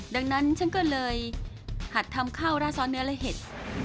ดังนั้นฉันก็เลยหัดทำข้าวราดซอสเนื้อและเห็ด